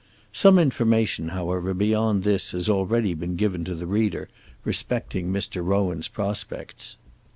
Some information, however, beyond this has already been given to the reader respecting Mr. Rowan's prospects.